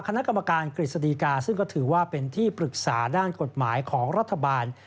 คณะกรรมการกฤษฎีกาซึ่งก็ถือว่าเป็นที่ปรึกษาด้านกฎหมายของรัฐบาล